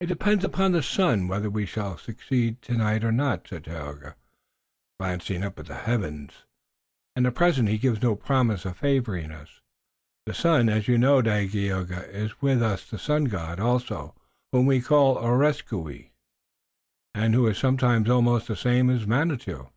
"It depends upon the sun whether we shall succeed tonight or not," said Tayoga, glancing up at the heavens, "and at present he gives no promise of favoring us. The sun, as you know, Dagaeoga, is with us the Sun God, also, whom we call Areskoui, or now and then Aieroski, and who is sometimes almost the same as Manitou."